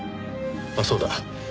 あっそうだ。